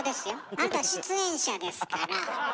あなた出演者ですから。